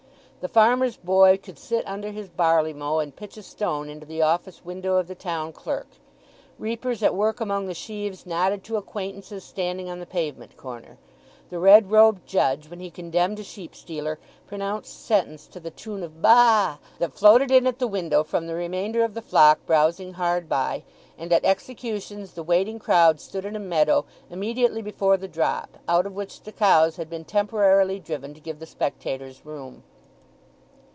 The farmer's boy could sit under his barley mow and pitch a stone into the office window of the town clerk; reapers at work among the sheaves nodded to acquaintances standing on the pavement corner; the red robed judge, when he condemned a sheep stealer, pronounced sentence to the tune of Baa, that floated in at the window from the remainder of the flock browsing hard by; and at executions the waiting crowd stood in a meadow immediately before the drop, out of which the cows had been temporarily driven to give the spectators room.